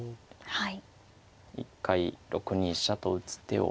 はい。